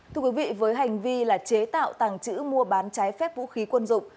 thưa quý vị với hành vi là chế tạo tàng trữ mua bán trái phép vũ khí quân dụng